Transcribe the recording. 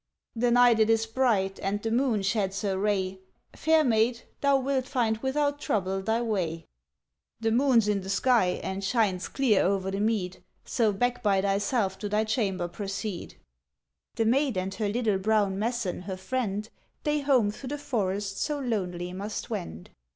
ŌĆØ ŌĆ£The night it is bright, and the moon sheds her ray, Fair maid, thou wilt find without trouble thy way. ŌĆ£The moonŌĆÖs in the sky, and shines clear oŌĆÖer the mead, So back by thyself to thy chamber proceed. ŌĆØ The maid, and the little brown messan her friend, They home through the forest so lonely must wend.